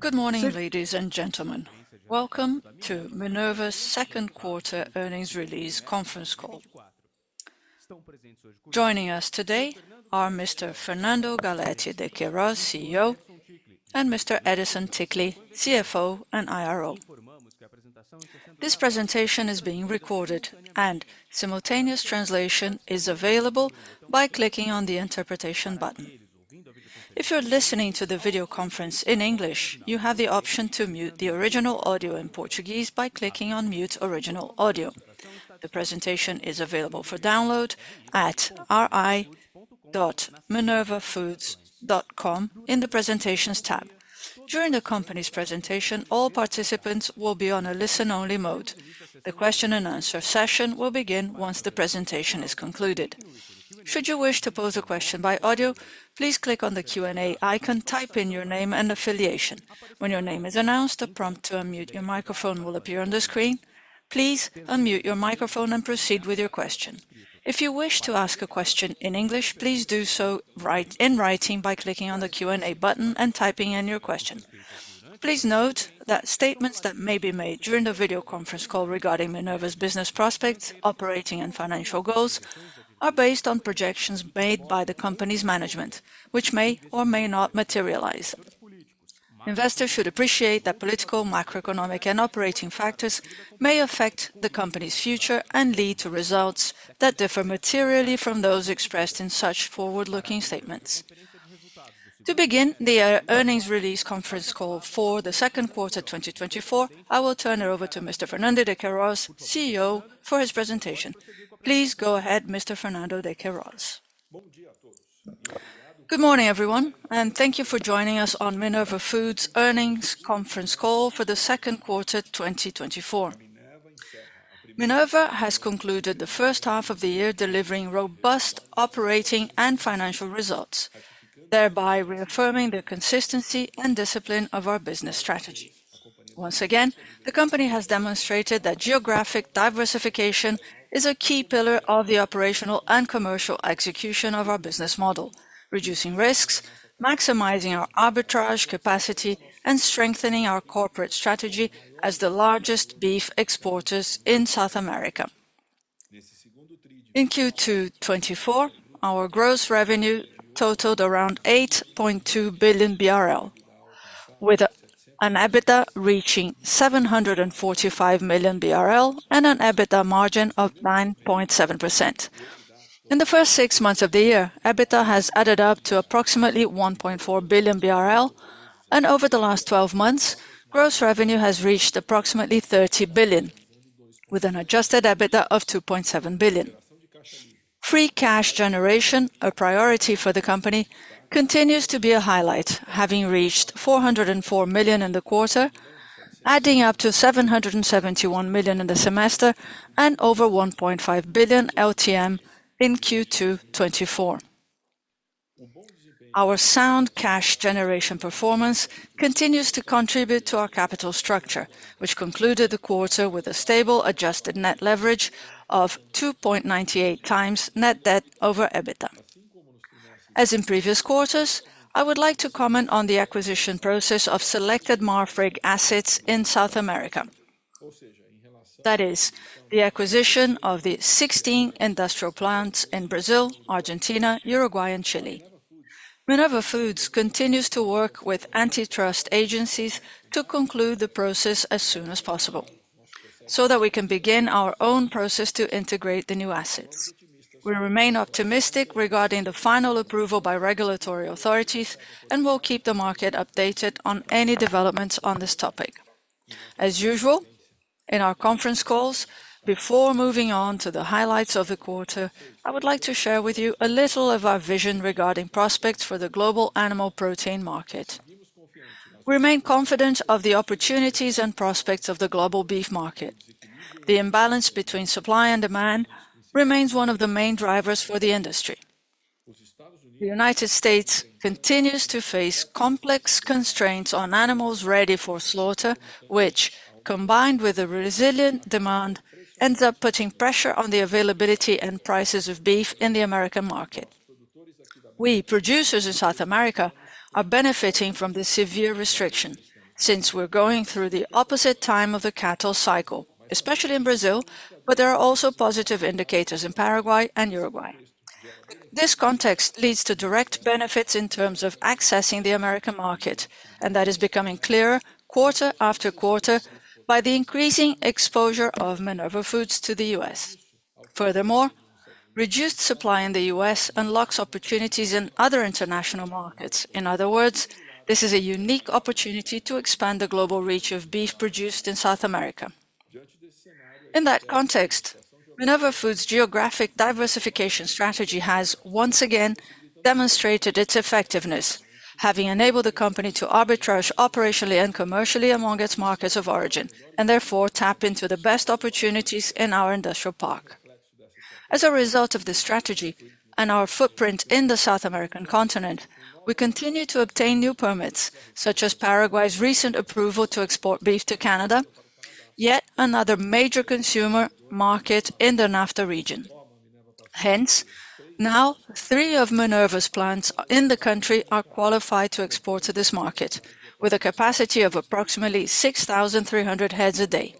Good morning, ladies and gentlemen. Welcome to Minerva's second quarter earnings release conference call. Joining us today are Mr. Fernando Galletti de Queiroz, CEO, and Mr. Edison Ticle, CFO, and IRO. This presentation is being recorded and simultaneous translation is available by clicking on the interpretation button. If you're listening to the video conference in English, you have the option to mute the original audio in Portuguese by clicking on Mute Original Audio. The presentation is available for download at ri.minervafoods.com in the Presentations tab. During the company's presentation, all participants will be on a listen-only mode. The question and answer session will begin once the presentation is concluded. Should you wish to pose a question by audio, please click on the Q&A icon, type in your name and affiliation. When your name is announced, a prompt to unmute your microphone will appear on the screen. Please unmute your microphone and proceed with your question. If you wish to ask a question in English, please do so in writing by clicking on the Q&A button and typing in your question. Please note that statements that may be made during the video conference call regarding Minerva's business prospects, operating and financial goals, are based on projections made by the company's management, which may or may not materialize. Investors should appreciate that political, macroeconomic, and operating factors may affect the company's future and lead to results that differ materially from those expressed in such forward-looking statements. To begin the earnings release conference call for the second quarter, 2024, I will turn it over to Mr. Fernando de Queiroz, CEO, for his presentation. Please go ahead, Mr. Fernando de Queiroz. Good morning, everyone, and thank you for joining us on Minerva Foods earnings conference call for the second quarter, 2024. Minerva has concluded the first half of the year, delivering robust operating and financial results, thereby reaffirming the consistency and discipline of our business strategy. Once again, the company has demonstrated that geographic diversification is a key pillar of the operational and commercial execution of our business model, reducing risks, maximizing our arbitrage capacity, and strengthening our corporate strategy as the largest beef exporters in South America. In Q2 2024, our gross revenue totaled around 8.2 billion BRL, with an EBITDA reaching 745 million BRL, and an EBITDA margin of 9.7%. In the first six months of the year, EBITDA has added up to approximately 1.4 billion BRL, and over the last twelve months, gross revenue has reached approximately 30 billion, with an adjusted EBITDA of 2.7 billion. Free cash generation, a priority for the company, continues to be a highlight, having reached 404 million in the quarter, adding up to 771 million in the semester, and over 1.5 billion LTM in Q2 2024. Our sound cash generation performance continues to contribute to our capital structure, which concluded the quarter with a stable adjusted net leverage of 2.98 times net debt over EBITDA. As in previous quarters, I would like to comment on the acquisition process of selected Marfrig assets in South America. That is the acquisition of the 16 industrial plants in Brazil, Argentina, Uruguay, and Chile. Minerva Foods continues to work with antitrust agencies to conclude the process as soon as possible, so that we can begin our own process to integrate the new assets. We remain optimistic regarding the final approval by regulatory authorities, and we'll keep the market updated on any developments on this topic. As usual, in our conference calls, before moving on to the highlights of the quarter, I would like to share with you a little of our vision regarding prospects for the global animal protein market. We remain confident of the opportunities and prospects of the global beef market. The imbalance between supply and demand remains one of the main drivers for the industry. The United States continues to face complex constraints on animals ready for slaughter, which, combined with a resilient demand, ends up putting pressure on the availability and prices of beef in the American market. We, producers in South America, are benefiting from this severe restriction, since we're going through the opposite time of the cattle cycle, especially in Brazil, but there are also positive indicators in Paraguay and Uruguay. This context leads to direct benefits in terms of accessing the American market, and that is becoming clearer quarter after quarter by the increasing exposure of Minerva Foods to the US. Furthermore, reduced supply in the US unlocks opportunities in other international markets. In other words, this is a unique opportunity to expand the global reach of beef produced in South America. In that context, Minerva Foods' geographic diversification strategy has once again demonstrated its effectiveness, having enabled the company to arbitrage operationally and commercially among its markets of origin, and therefore tap into the best opportunities in our industrial park. As a result of this strategy and our footprint in the South American continent, we continue to obtain new permits, such as Paraguay's recent approval to export beef to Canada, yet another major consumer market in the NAFTA region.... Hence, now three of Minerva Foods' plants in the country are qualified to export to this market, with a capacity of approximately 6,300 heads a day.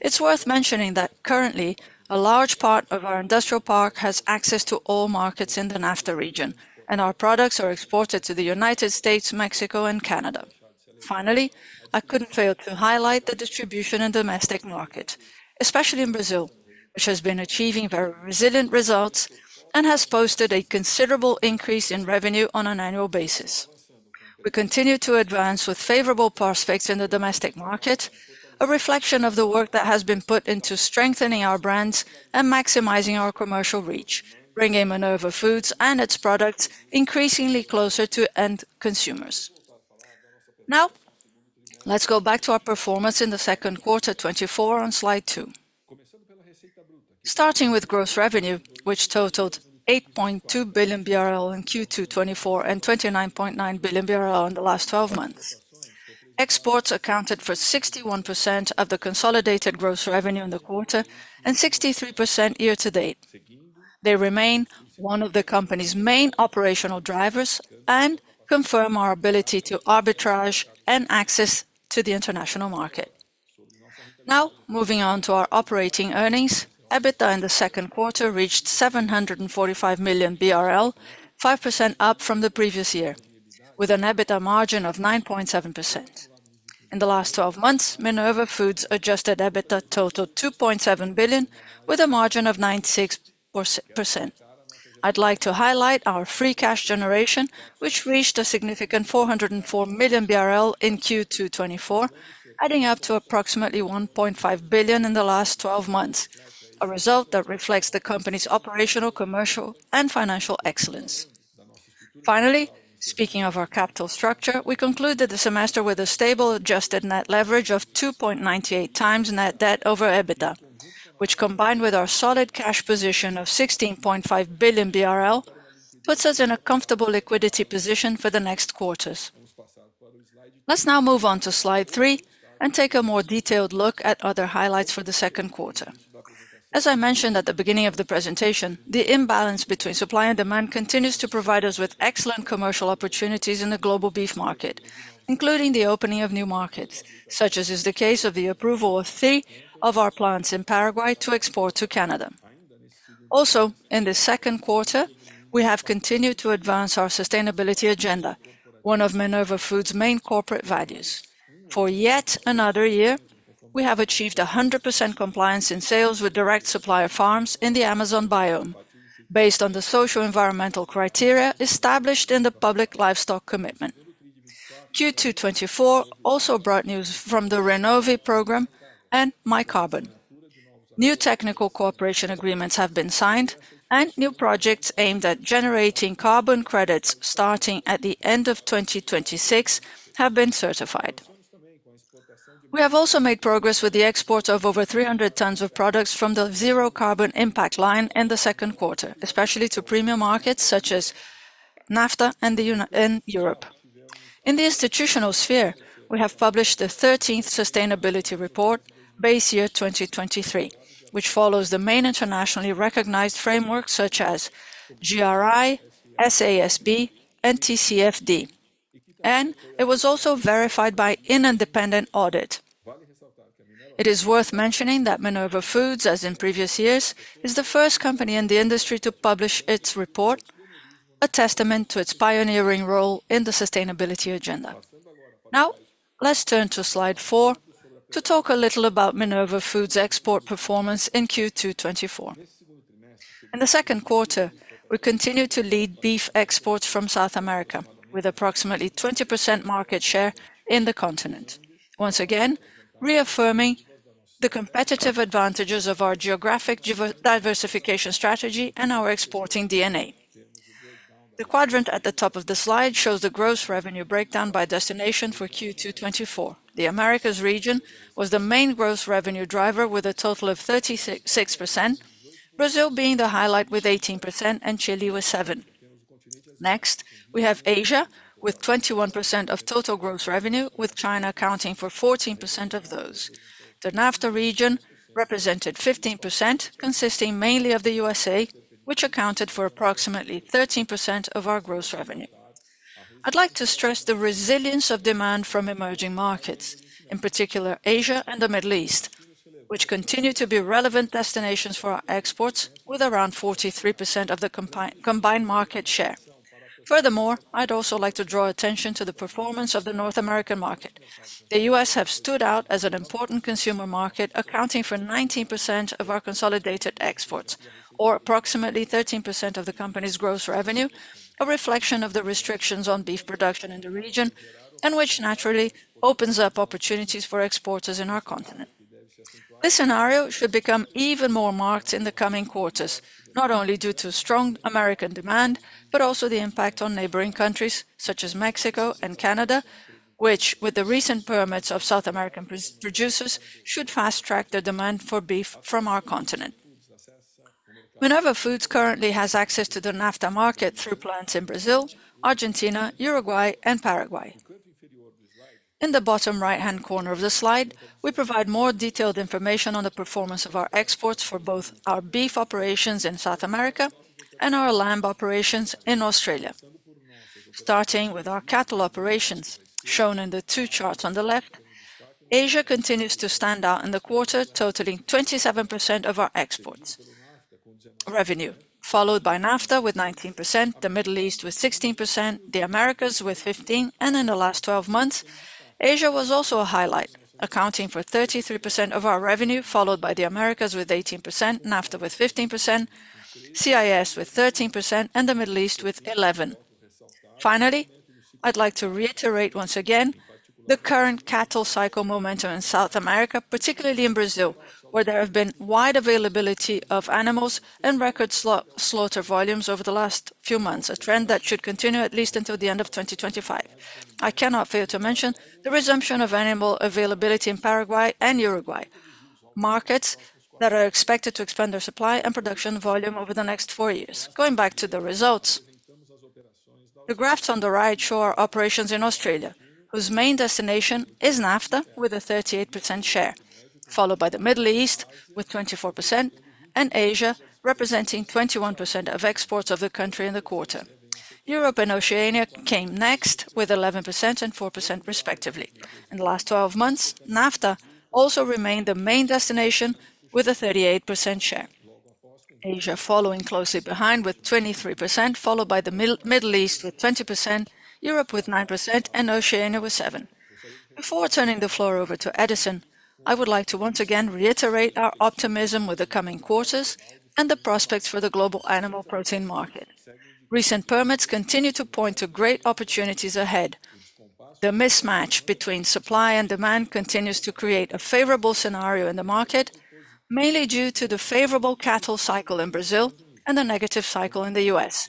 It's worth mentioning that currently, a large part of our industrial park has access to all markets in the NAFTA region, and our products are exported to the United States, Mexico, and Canada. Finally, I couldn't fail to highlight the distribution in domestic market, especially in Brazil, which has been achieving very resilient results and has posted a considerable increase in revenue on an annual basis. We continue to advance with favorable prospects in the domestic market, a reflection of the work that has been put into strengthening our brands and maximizing our commercial reach, bringing Minerva Foods and its products increasingly closer to end consumers. Now, let's go back to our performance in the second quarter 2024 on slide two. Starting with gross revenue, which totaled 8.2 billion BRL in Q2 2024, and 29.9 billion BRL in the last twelve months. Exports accounted for 61% of the consolidated gross revenue in the quarter, and 63% year to date. They remain one of the company's main operational drivers and confirm our ability to arbitrage and access to the international market. Now, moving on to our operating earnings. EBITDA in the second quarter reached 745 million BRL, 5% up from the previous year, with an EBITDA margin of 9.7%. In the last 12 months, Minerva Foods adjusted EBITDA totaled 2.7 billion, with a margin of 96%. I'd like to highlight our free cash generation, which reached a significant 404 million BRL in Q2 2024, adding up to approximately 1.5 billion in the last 12 months, a result that reflects the company's operational, commercial, and financial excellence. Finally, speaking of our capital structure, we concluded the semester with a stable adjusted net leverage of 2.98x net debt over EBITDA, which, combined with our solid cash position of 16.5 billion BRL, puts us in a comfortable liquidity position for the next quarters. Let's now move on to slide 3 and take a more detailed look at other highlights for the second quarter. As I mentioned at the beginning of the presentation, the imbalance between supply and demand continues to provide us with excellent commercial opportunities in the global beef market, including the opening of new markets, such as is the case of the approval of 3 of our plants in Paraguay to export to Canada. Also, in the second quarter, we have continued to advance our sustainability agenda, one of Minerva Foods' main corporate values. For yet another year, we have achieved 100% compliance in sales with direct supplier farms in the Amazon biome, based on the social-environmental criteria established in the public livestock commitment. Q2 2024 also brought news from the Renoí program and MyCarbon. New technical cooperation agreements have been signed, and new projects aimed at generating carbon credits starting at the end of 2026 have been certified. We have also made progress with the export of over 300 tons of products from the Zero Carbon Impact line in the second quarter, especially to premium markets such as NAFTA and the US and Europe. In the institutional sphere, we have published the 13th sustainability report, base year 2023, which follows the main internationally recognized frameworks such as GRI, SASB, and TCFD, and it was also verified by an independent audit. It is worth mentioning that Minerva Foods, as in previous years, is the first company in the industry to publish its report, a testament to its pioneering role in the sustainability agenda. Now, let's turn to slide 4 to talk a little about Minerva Foods' export performance in Q2 2024. In the second quarter, we continued to lead beef exports from South America, with approximately 20% market share in the continent. Once again, reaffirming the competitive advantages of our geographic diversification strategy and our exporting DNA. The quadrant at the top of the slide shows the gross revenue breakdown by destination for Q2 2024. The Americas region was the main gross revenue driver, with a total of 36%, Brazil being the highlight with 18%, and Chile with 7%. Next, we have Asia, with 21% of total gross revenue, with China accounting for 14% of those. The NAFTA region represented 15%, consisting mainly of the U.S.A., which accounted for approximately 13% of our gross revenue. I'd like to stress the resilience of demand from emerging markets, in particular, Asia and the Middle East, which continue to be relevant destinations for our exports, with around 43% of the combined market share. Furthermore, I'd also like to draw attention to the performance of the North American market. The U.S. have stood out as an important consumer market, accounting for 19% of our consolidated exports, or approximately 13% of the company's gross revenue, a reflection of the restrictions on beef production in the region, and which naturally opens up opportunities for exporters in our continent. This scenario should become even more marked in the coming quarters, not only due to strong American demand, but also the impact on neighboring countries, such as Mexico and Canada, which, with the recent permits of South American producers, should fast-track the demand for beef from our continent. Minerva Foods currently has access to the NAFTA market through plants in Brazil, Argentina, Uruguay, and Paraguay.... In the bottom right-hand corner of the slide, we provide more detailed information on the performance of our exports for both our beef operations in South America and our lamb operations in Australia. Starting with our cattle operations, shown in the two charts on the left, Asia continues to stand out in the quarter, totaling 27% of our exports revenue, followed by NAFTA with 19%, the Middle East with 16%, the Americas with 15%, and in the last twelve months, Asia was also a highlight, accounting for 33% of our revenue, followed by the Americas with 18%, NAFTA with 15%, CIS with 13%, and the Middle East with 11%. Finally, I'd like to reiterate once again, the current cattle cycle momentum in South America, particularly in Brazil, where there have been wide availability of animals and record slaughter volumes over the last few months, a trend that should continue at least until the end of 2025. I cannot fail to mention the resumption of animal availability in Paraguay and Uruguay, markets that are expected to expand their supply and production volume over the next four years. Going back to the results, the graphs on the right show our operations in Australia, whose main destination is NAFTA, with a 38% share, followed by the Middle East with 24%, and Asia representing 21% of exports of the country in the quarter. Europe and Oceania came next with 11% and 4% respectively. In the last 12 months, NAFTA also remained the main destination with a 38% share. Asia following closely behind with 23%, followed by the Middle East with 20%, Europe with 9%, and Oceania with 7%. Before turning the floor over to Edison, I would like to once again reiterate our optimism with the coming quarters and the prospects for the global animal protein market. Recent permits continue to point to great opportunities ahead. The mismatch between supply and demand continues to create a favorable scenario in the market, mainly due to the favorable cattle cycle in Brazil and the negative cycle in the U.S.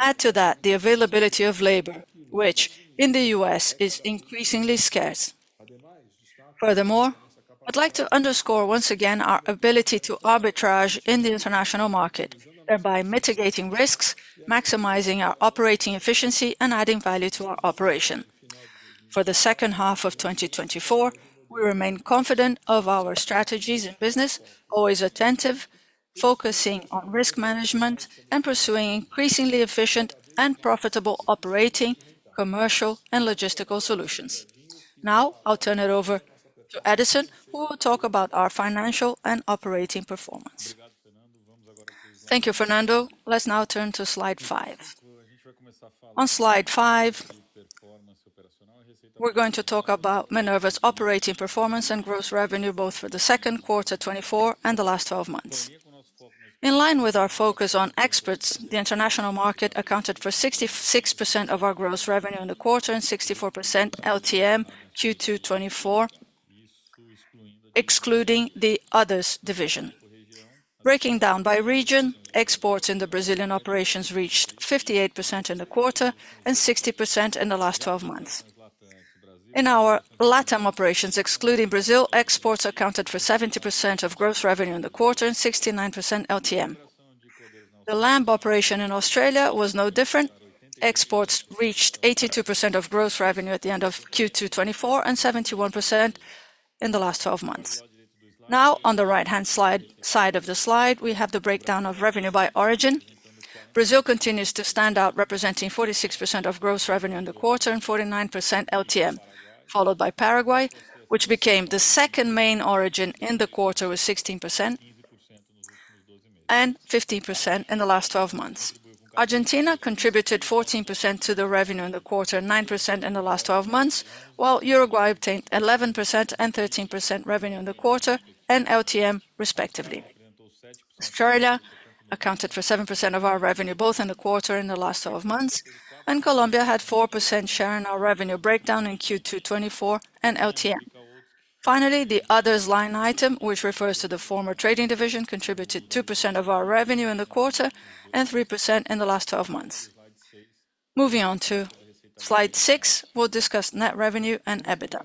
Add to that, the availability of labor, which in the U.S., is increasingly scarce. Furthermore, I'd like to underscore once again, our ability to arbitrage in the international market, thereby mitigating risks, maximizing our operating efficiency, and adding value to our operation. For the second half of 2024, we remain confident of our strategies in business, always attentive, focusing on risk management, and pursuing increasingly efficient and profitable operating, commercial, and logistical solutions. Now, I'll turn it over to Edison, who will talk about our financial and operating performance. Thank you, Fernando. Let's now turn to slide 5. On slide 5, we're going to talk about Minerva's operating performance and gross revenue, both for the second quarter, 2024, and the last twelve months. In line with our focus on exports, the international market accounted for 66% of our gross revenue in the quarter, and 64% LTM, Q2 2024, excluding the others division. Breaking down by region, exports in the Brazilian operations reached 58% in the quarter and 60% in the last twelve months. In our Latam operations, excluding Brazil, exports accounted for 70% of gross revenue in the quarter and 69% LTM. The lamb operation in Australia was no different. Exports reached 82% of gross revenue at the end of Q2 2024, and 71% in the last twelve months. Now, on the right-hand slide, side of the slide, we have the breakdown of revenue by origin. Brazil continues to stand out, representing 46% of gross revenue in the quarter and 49% LTM, followed by Paraguay, which became the second main origin in the quarter with 16%, and 15% in the last twelve months. Argentina contributed 14% to the revenue in the quarter, 9% in the last twelve months, while Uruguay obtained 11% and 13% revenue in the quarter and LTM, respectively. Australia accounted for 7% of our revenue, both in the quarter and the last twelve months, and Colombia had 4% share in our revenue breakdown in Q2 2024 and LTM. Finally, the others' line item, which refers to the former trading division, contributed 2% of our revenue in the quarter and 3% in the last twelve months. Moving on to slide 6, we'll discuss net revenue and EBITDA.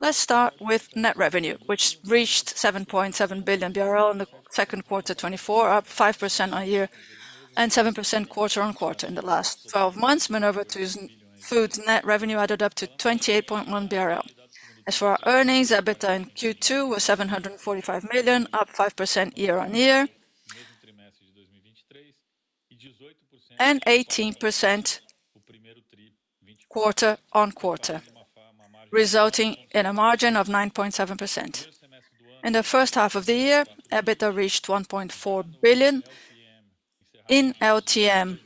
Let's start with net revenue, which reached 7.7 billion BRL in the second quarter 2024, up 5% year-over-year and 7% quarter-over-quarter. In the last twelve months, Minerva Foods net revenue added up to 28.1 billion BRL. As for our earnings, EBITDA in Q2 was 745 million, up 5% year-over-year, and 18% quarter-over-quarter, resulting in a margin of 9.7%. In the first half of the year, EBITDA reached 1.4 billion. In LTM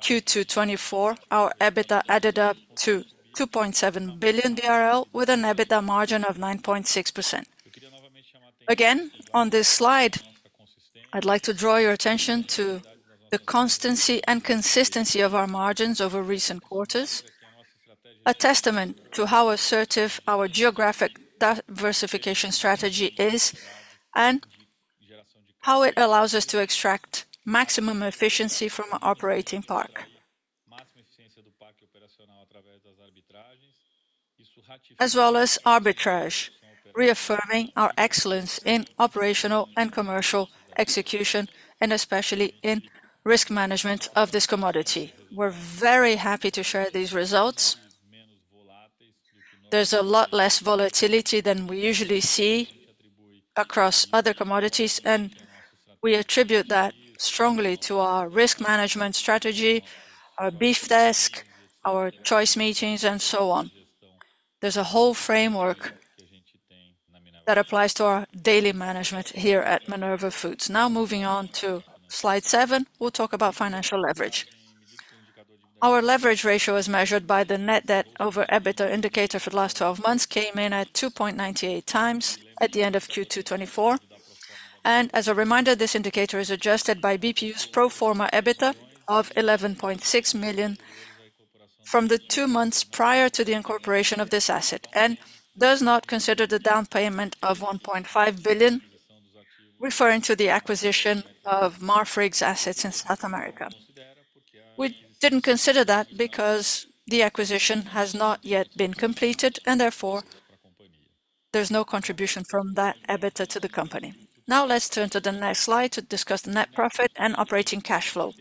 Q2 2024, our EBITDA added up to 2.7 billion, with an EBITDA margin of 9.6%. Again, on this slide, I'd like to draw your attention to the constancy and consistency of our margins over recent quarters, a testament to how assertive our geographic diversification strategy is, and how it allows us to extract maximum efficiency from our operating park, as well as arbitrage.... reaffirming our excellence in operational and commercial execution, and especially in risk management of this commodity. We're very happy to share these results. There's a lot less volatility than we usually see across other commodities, and we attribute that strongly to our risk management strategy, our beef desk, our choice meetings, and so on. There's a whole framework that applies to our daily management here at Minerva Foods. Now, moving on to slide 7, we'll talk about financial leverage. Our leverage ratio is measured by the net debt over EBITDA indicator for the last 12 months, came in at 2.98 times at the end of Q2 2024. And as a reminder, this indicator is adjusted by BPU's pro forma EBITDA of 11.6 million from the 2 months prior to the incorporation of this asset, and does not consider the down payment of 1 billion, referring to the acquisition of Marfrig's assets in South America. We didn't consider that because the acquisition has not yet been completed, and therefore, there's no contribution from that EBITDA to the company. Now, let's turn to the next slide to discuss the net profit and operating cash flow.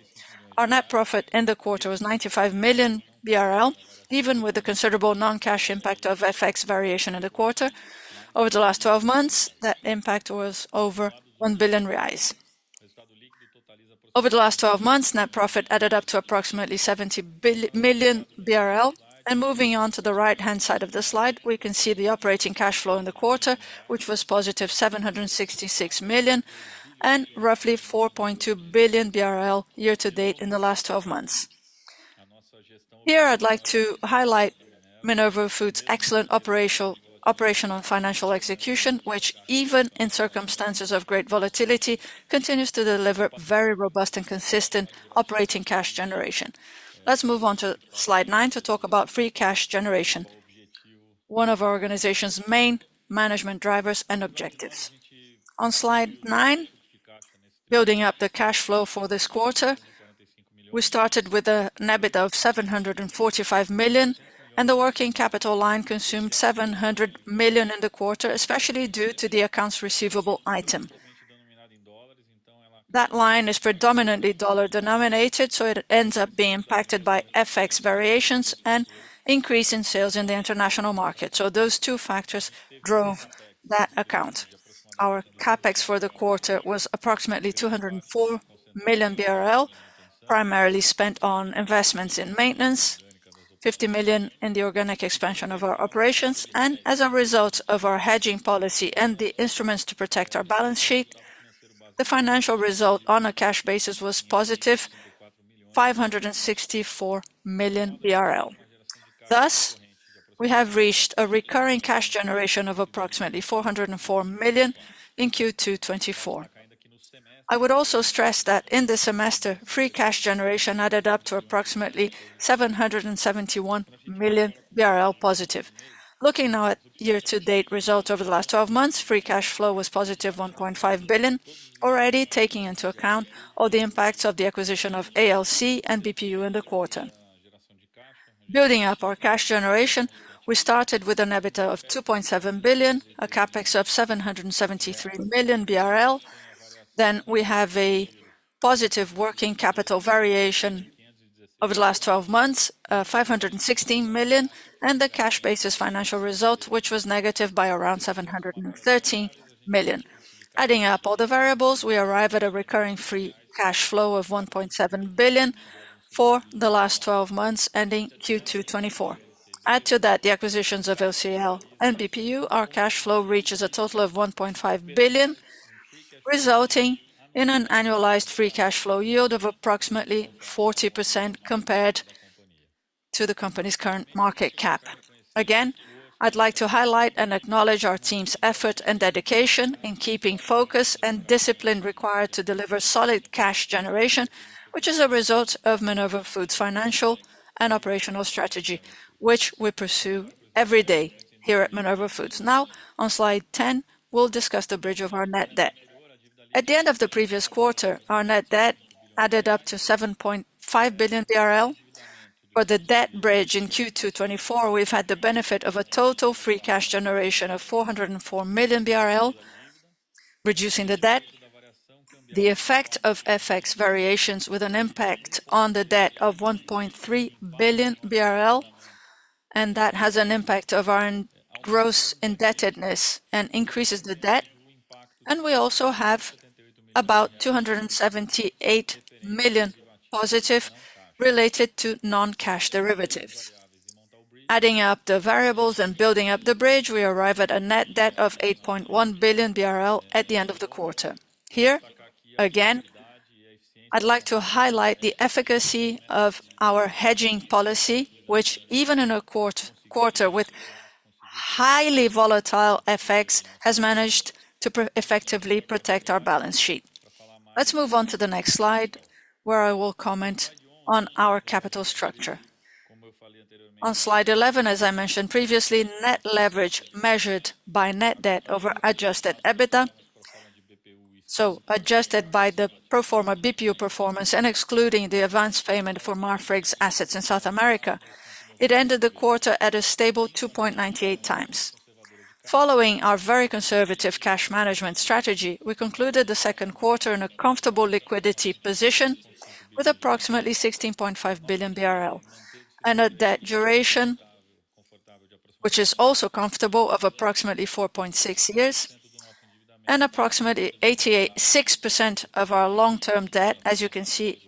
Our net profit in the quarter was 95 million BRL, even with the considerable non-cash impact of FX variation in the quarter. Over the last 12 months, that impact was over 1 billion reais. Over the last 12 months, net profit added up to approximately 70 million BRL. Moving on to the right-hand side of the slide, we can see the operating cash flow in the quarter, which was positive 766 million, and roughly 4.2 billion BRL year to date in the last 12 months. Here, I'd like to highlight Minerva Foods' excellent operational and financial execution, which even in circumstances of great volatility, continues to deliver very robust and consistent operating cash generation. Let's move on to slide 9 to talk about free cash generation, one of our organization's main management drivers and objectives. On Slide 9, building up the cash flow for this quarter, we started with an EBITDA of 745 million, and the working capital line consumed 700 million in the quarter, especially due to the accounts receivable item. That line is predominantly dollar-denominated, so it ends up being impacted by FX variations and increase in sales in the international market. So those two factors drove that account. Our CapEx for the quarter was approximately 204 million BRL, primarily spent on investments in maintenance, 50 million in the organic expansion of our operations, and as a result of our hedging policy and the instruments to protect our balance sheet, the financial result on a cash basis was positive 564 million BRL. Thus, we have reached a recurring cash generation of approximately 404 million in Q2 2024. I would also stress that in this semester, free cash generation added up to approximately 771 million BRL positive. Looking now at year-to-date results over the last 12 months, free cash flow was positive 1.5 billion, already taking into account all the impacts of the acquisition of ALC and BPU in the quarter. Building up our cash generation, we started with an EBITDA of 2.7 billion, a CapEx of 773 million BRL. Then we have a positive working capital variation over the last 12 months, five hundred and sixteen million, and the cash basis financial result, which was negative by around 713 million. Adding up all the variables, we arrive at a recurring free cash flow of 1.7 billion for the last 12 months, ending Q2 2024. Add to that, the acquisitions of ACL and BPU, our cash flow reaches a total of 1.5 billion, resulting in an annualized free cash flow yield of approximately 40% compared to the company's current market cap. Again, I'd like to highlight and acknowledge our team's effort and dedication in keeping focus and discipline required to deliver solid cash generation, which is a result of Minerva Foods' financial and operational strategy, which we pursue every day here at Minerva Foods. Now, on slide 10, we'll discuss the bridge of our net debt. At the end of the previous quarter, our net debt added up to 7.5 billion. For the debt bridge in Q2 2024, we've had the benefit of a total free cash generation of 404 million BRL, reducing the debt. The effect of FX variations with an impact on the debt of 1.3 billion BRL, and that has an impact of our own gross indebtedness and increases the debt. And we also have about 278 million positive related to non-cash derivatives. Adding up the variables and building up the bridge, we arrive at a net debt of 8.1 billion BRL at the end of the quarter. Here, again, I'd like to highlight the efficacy of our hedging policy, which even in a quarter with highly volatile effects, has managed to effectively protect our balance sheet. Let's move on to the next slide, where I will comment on our capital structure. On slide 11, as I mentioned previously, net leverage measured by net debt over adjusted EBITDA. So adjusted by the pro forma BPU performance and excluding the advanced payment for Marfrig's assets in South America, it ended the quarter at a stable 2.98 times. Following our very conservative cash management strategy, we concluded the second quarter in a comfortable liquidity position, with approximately 16.5 billion BRL, and a debt duration, which is also comfortable, of approximately 4.6 years, and approximately 86% of our long-term debt, as you can see,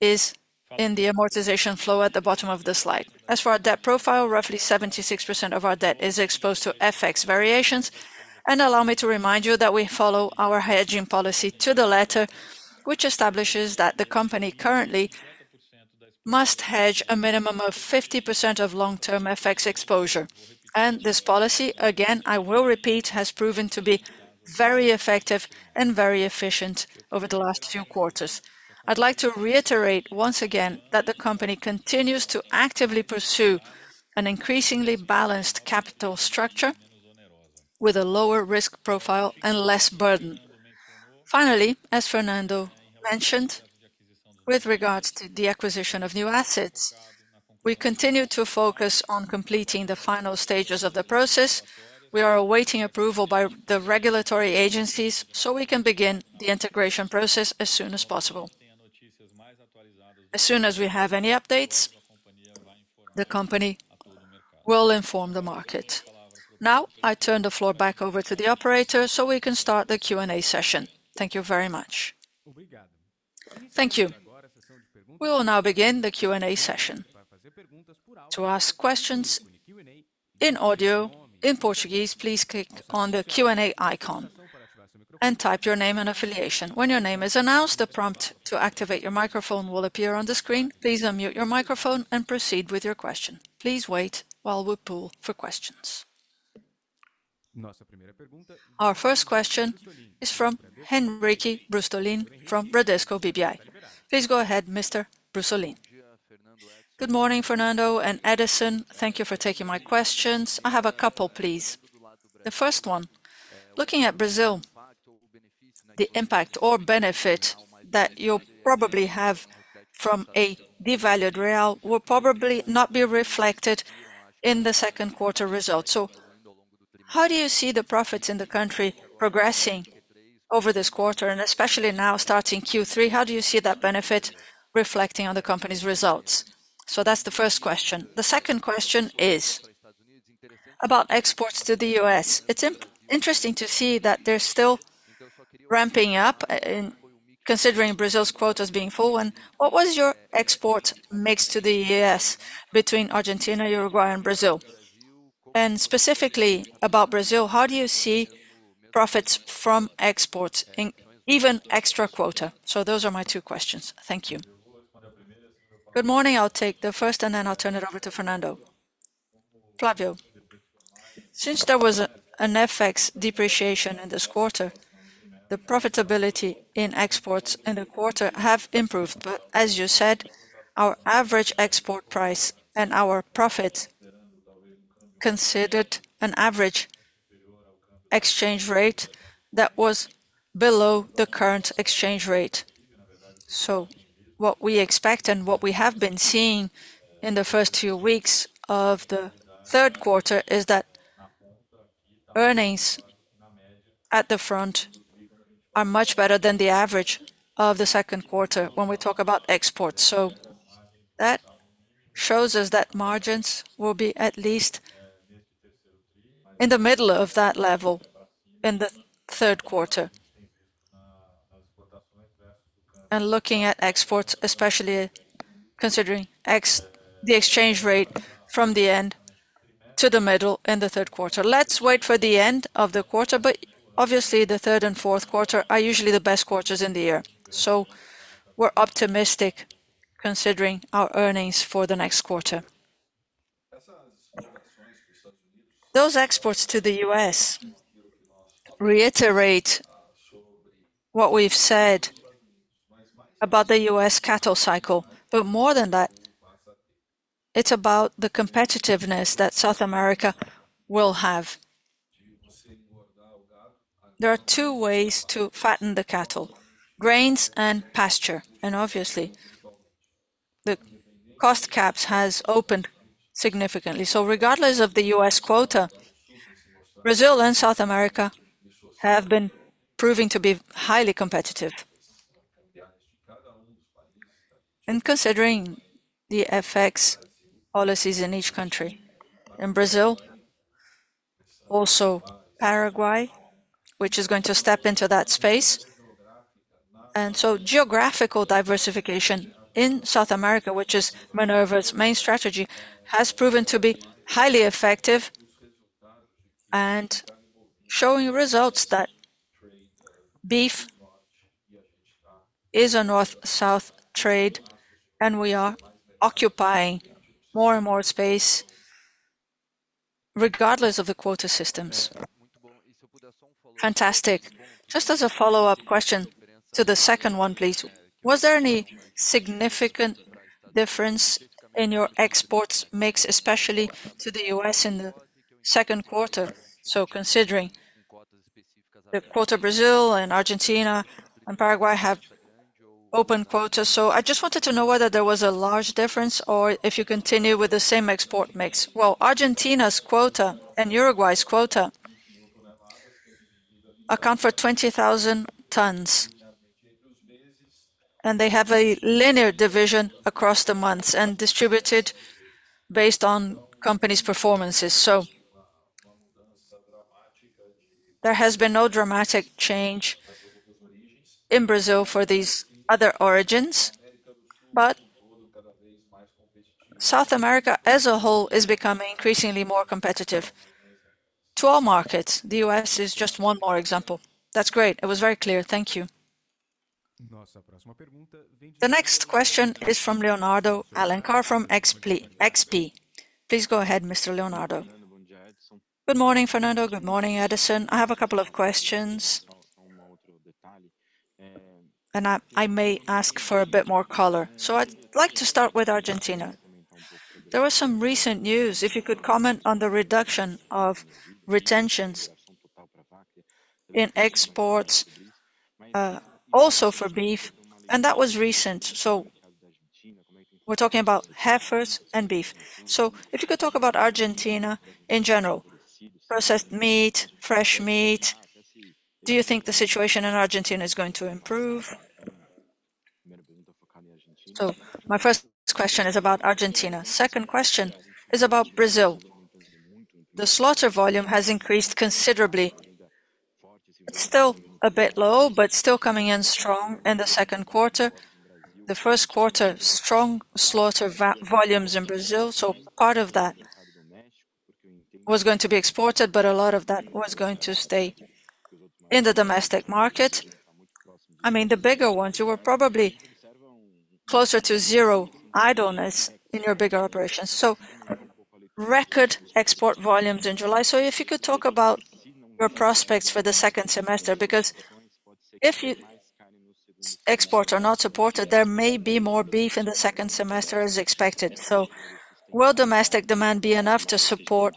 is in the amortization flow at the bottom of the slide. As for our debt profile, roughly 76% of our debt is exposed to FX variations. Allow me to remind you that we follow our hedging policy to the letter, which establishes that the company currently must hedge a minimum of 50% of long-term FX exposure. This policy, again, I will repeat, has proven to be very effective and very efficient over the last few quarters. I'd like to reiterate once again that the company continues to actively pursue an increasingly balanced capital structure, with a lower risk profile and less burden. Finally, as Fernando mentioned, with regards to the acquisition of new assets, we continue to focus on completing the final stages of the process. We are awaiting approval by the regulatory agencies, so we can begin the integration process as soon as possible. As soon as we have any updates, the company will inform the market. Now, I turn the floor back over to the operator, so we can start the Q&A session. Thank you very much. Thank you. We will now begin the Q&A session. To ask questions in audio, in Portuguese, please click on the Q&A icon and type your name and affiliation. When your name is announced, the prompt to activate your microphone will appear on the screen. Please unmute your microphone and proceed with your question. Please wait while we poll for questions. Our first question is from Henrique Brustolin, from Bradesco BBI. Please go ahead, Mr. Brustolin. Good morning, Fernando and Edison. Thank you for taking my questions. I have a couple, please. The first one, looking at Brazil, the impact or benefit that you'll probably have from a devalued real, will probably not be reflected in the second quarter results. So how do you see the profits in the country progressing over this quarter, and especially now, starting Q3, how do you see that benefit reflecting on the company's results? So that's the first question. The second question is about exports to the U.S. It's interesting to see that they're still ramping up, in considering Brazil's quotas being full. And what was your export mix to the U.S. between Argentina, Uruguay, and Brazil? And specifically about Brazil, how do you see profits from exports in even extra quota? So those are my two questions. Thank you. Good morning. I'll take the first, and then I'll turn it over to Fernando. Flavio, since there was an FX depreciation in this quarter, the profitability in exports in the quarter have improved. But as you said, our average export price and our profit considered an average exchange rate that was below the current exchange rate. So what we expect, and what we have been seeing in the first two weeks of the third quarter, is that earnings at the front are much better than the average of the second quarter, when we talk about exports. So that shows us that margins will be at least in the middle of that level in the third quarter. And looking at exports, especially considering the exchange rate from the end to the middle in the third quarter. Let's wait for the end of the quarter, but obviously, the third and fourth quarter are usually the best quarters in the year. So we're optimistic, considering our earnings for the next quarter. Those exports to the U.S. reiterate what we've said about the U.S. cattle cycle. But more than that, it's about the competitiveness that South America will have. There are two ways to fatten the cattle, grains and pasture, and obviously, the cost caps has opened significantly. So regardless of the U.S. quota, Brazil and South America have been proving to be highly competitive. And considering the FX policies in each country, in Brazil, also Paraguay, which is going to step into that space. And so geographical diversification in South America, which is Minerva's main strategy, has proven to be highly effective and showing results that beef is a North-South trade, and we are occupying more and more space regardless of the quota systems. Fantastic! Just as a follow-up question. To the second one, please. Was there any significant difference in your exports mix, especially to the U.S. in the second quarter? So considering the quota, Brazil and Argentina, and Paraguay have open quotas. So I just wanted to know whether there was a large difference, or if you continue with the same export mix. Well, Argentina's quota and Uruguay's quota account for 20,000 tons, and they have a linear division across the months and distributed based on company's performances. So, there has been no dramatic change in Brazil for these other origins, but South America, as a whole, is becoming increasingly more competitive to all markets. The U.S. is just one more example. That's great. It was very clear. Thank you. The next question is from Leonardo Alencar, from XP. Please go ahead, Mr. Leonardo. Good morning, Fernando. Good morning, Edison. I have a couple of questions, and I may ask for a bit more color. So I'd like to start with Argentina. There was some recent news, if you could comment on the reduction of retentions in exports, also for beef, and that was recent. So we're talking about heifers and beef. So if you could talk about Argentina in general, processed meat, fresh meat, do you think the situation in Argentina is going to improve? So my first question is about Argentina. Second question is about Brazil. The slaughter volume has increased considerably. It's still a bit low, but still coming in strong in the second quarter. The first quarter, strong slaughter volumes in Brazil, so part of that was going to be exported, but a lot of that was going to stay in the domestic market. I mean, the bigger ones, you were probably closer to zero idleness in your bigger operations. So record export volumes in July. So if you could talk about your prospects for the second semester, because if exports are not supported, there may be more beef in the second semester as expected. So will domestic demand be enough to support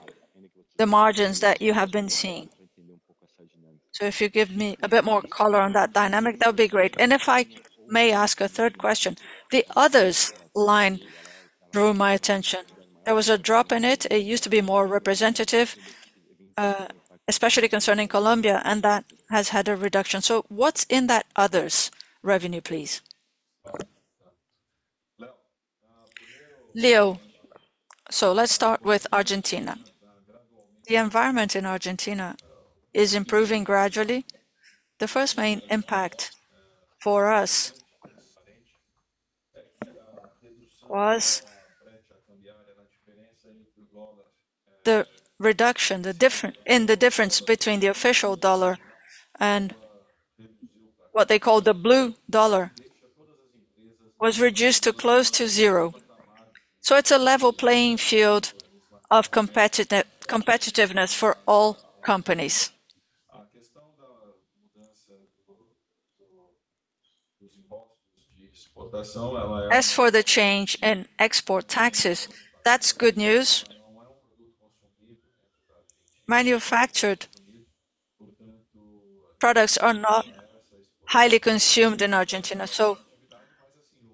the margins that you have been seeing? So if you give me a bit more color on that dynamic, that would be great. And if I may ask a third question, the others line drew my attention. There was a drop in it. It used to be more representative, especially concerning Colombia, and that has had a reduction. So what's in that others revenue, please? Leo, so let's start with Argentina. The environment in Argentina is improving gradually. The first main impact for us was the reduction in the difference between the official dollar and what they call the blue dollar, was reduced to close to zero. So it's a level playing field of competitiveness for all companies. As for the change in export taxes, that's good news. Manufactured products are not highly consumed in Argentina, so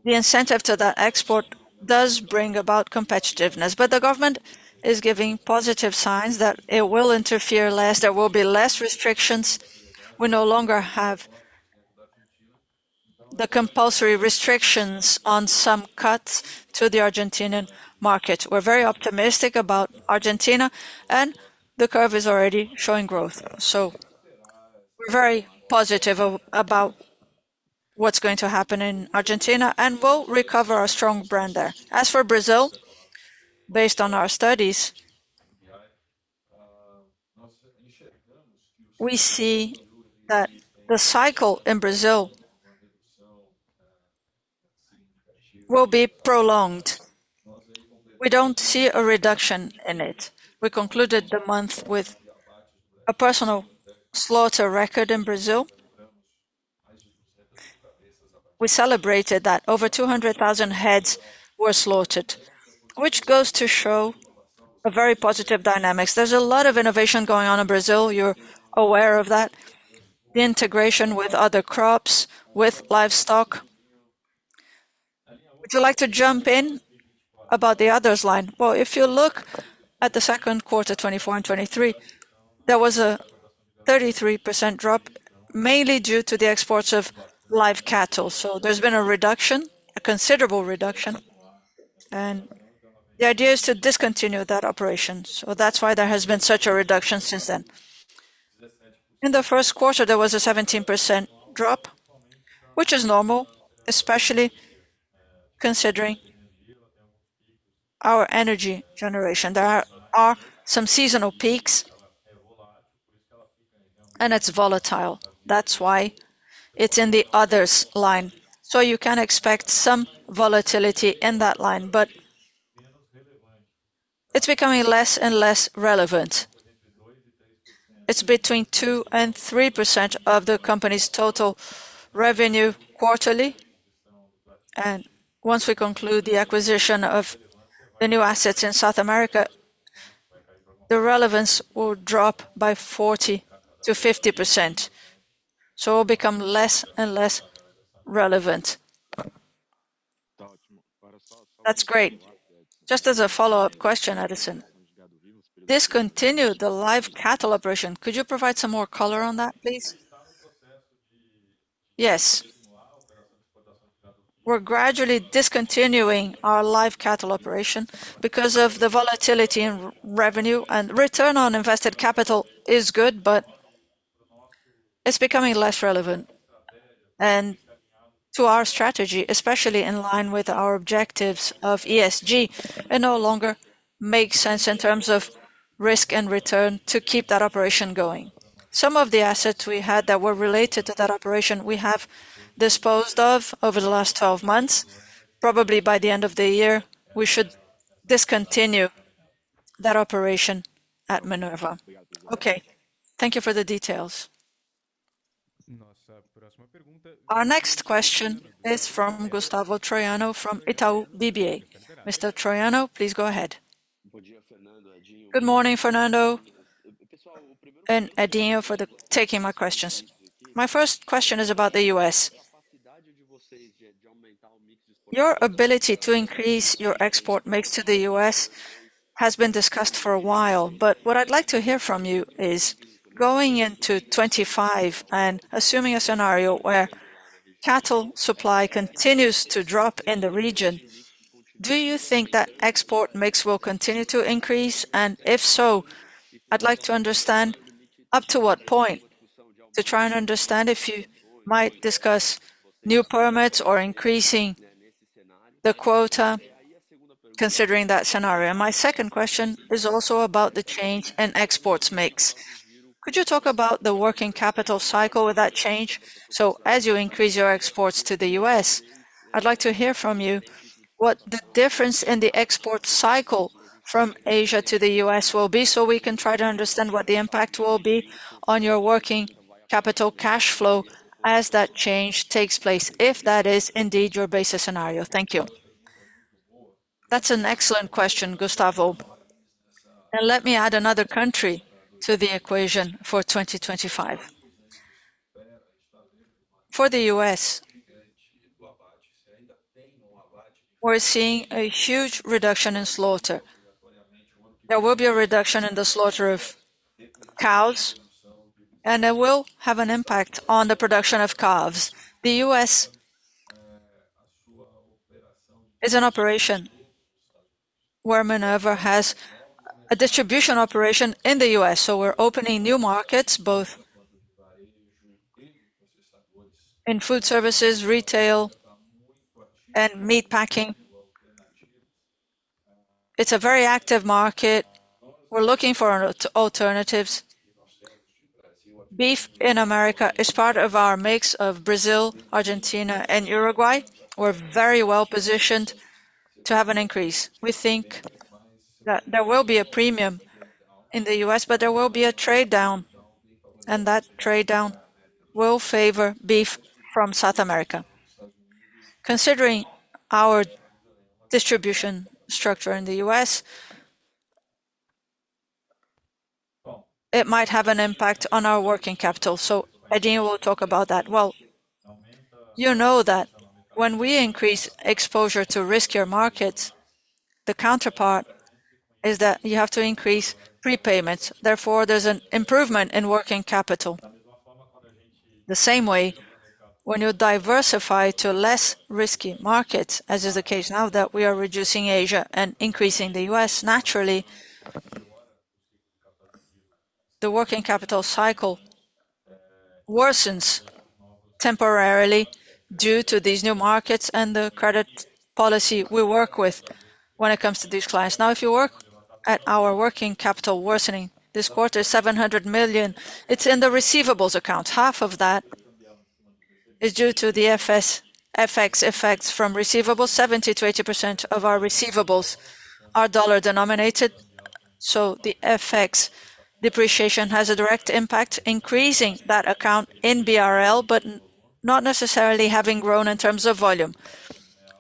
the incentive to that export does bring about competitiveness, but the government is giving positive signs that it will interfere less. There will be less restrictions. We no longer have the compulsory restrictions on some cuts to the Argentine market. We're very optimistic about Argentina, and the curve is already showing growth. So we're very positive about what's going to happen in Argentina, and we'll recover our strong brand there. As for Brazil, based on our studies, we see that the cycle in Brazil will be prolonged. We don't see a reduction in it. We concluded the month with a national slaughter record in Brazil. We celebrated that over 200,000 heads were slaughtered, which goes to show a very positive dynamics. There's a lot of innovation going on in Brazil, you're aware of that? The integration with other crops, with livestock. Would you like to jump in about the others line? Well, if you look at the second quarter 2024 and 2023, there was a 33% drop, mainly due to the exports of live cattle. So there's been a reduction, a considerable reduction, and the idea is to discontinue that operation. So that's why there has been such a reduction since then. In the first quarter, there was a 17% drop, which is normal, especially considering our energy generation. There are some seasonal peaks, and it's volatile. That's why it's in the others line. So you can expect some volatility in that line, but it's becoming less and less relevant. It's between 2%-3% of the company's total revenue quarterly, and once we conclude the acquisition of the new assets in South America, the relevance will drop by 40%-50%. So it will become less and less relevant. That's great. Just as a follow-up question, Edison, discontinue the live cattle operation, could you provide some more color on that, please? Yes. We're gradually discontinuing our live cattle operation because of the volatility in revenue, and return on invested capital is good, but it's becoming less relevant. And to our strategy, especially in line with our objectives of ESG, it no longer makes sense in terms of risk and return to keep that operation going. Some of the assets we had that were related to that operation, we have disposed of over the last 12 months. Probably by the end of the year, we should discontinue that operation at Minerva. Okay, thank you for the details. Our next question is from Gustavo Troiano, from Itaú BBA. Mr. Troiano, please go ahead. Good morning, Fernando and Edinho, for taking my questions. My first question is about the US. Your ability to increase your export mix to the US has been discussed for a while, but what I'd like to hear from you is, going into 25 and assuming a scenario where cattle supply continues to drop in the region, do you think that export mix will continue to increase? And if so, I'd like to understand up to what point, to try and understand if you might discuss new permits or increasing the quota, considering that scenario. My second question is also about the change in exports mix. Could you talk about the working capital cycle with that change? So as you increase your exports to the U.S., I'd like to hear from you what the difference in the export cycle from Asia to the U.S. will be, so we can try to understand what the impact will be on your working capital cash flow as that change takes place, if that is indeed your basis scenario. Thank you. That's an excellent question, Gustavo, and let me add another country to the equation for 2025. For the U.S., we're seeing a huge reduction in slaughter. There will be a reduction in the slaughter of cows, and it will have an impact on the production of calves. The U.S. is an operation where Minerva has a distribution operation in the U.S., so we're opening new markets, both in food services, retail, and meat packing. It's a very active market, we're looking for alternatives. Beef in America is part of our mix of Brazil, Argentina, and Uruguay. We're very well-positioned to have an increase. We think that there will be a premium in the US, but there will be a trade-down, and that trade-down will favor beef from South America. Considering our distribution structure in the US, it might have an impact on our working capital. So Edinho will talk about that. Well, you know that when we increase exposure to riskier markets, the counterpart is that you have to increase prepayments. Therefore, there's an improvement in working capital. The same way, when you diversify to less risky markets, as is the case now, that we are reducing Asia and increasing the US, naturally, the working capital cycle worsens temporarily due to these new markets and the credit policy we work with when it comes to this class. Now, if you look at our working capital worsening, this quarter is 700 million. It's in the receivables account. Half of that is due to the FX effects from receivables. 70%-80% of our receivables are dollar-denominated, so the FX depreciation has a direct impact, increasing that account in BRL, but not necessarily having grown in terms of volume.